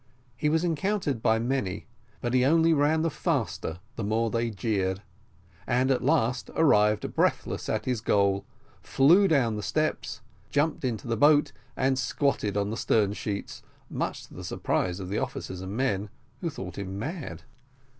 He was encountered by many, but he only ran the faster the more they jeered, and, at last, arrived breathless at his goal, flew down the steps, jumped into the boat, and squatted on the stern sheets, much to the surprise of the officers and men, who thought him mad.